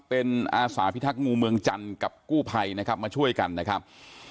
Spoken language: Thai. เป็นอาสาพิทักษ์งูเมืองจันทร์กับกู้ภัยนะครับมาช่วยกันนะครับ